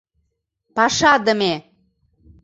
Пашадыме!